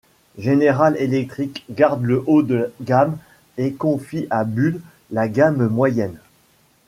General Electric garde le haut de gamme et confie à Bull la gamme moyenne.